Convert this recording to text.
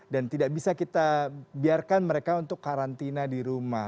dan tidak bisa kita biarkan mereka untuk karantina di rumah